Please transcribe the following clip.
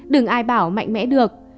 đừng ai bảo mạnh mẽ được